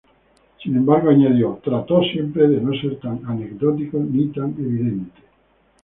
Sin embargo, añadió: "trato siempre de no ser tan anecdótico ni tan evidente.